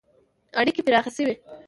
• اړیکې پراخې شوې.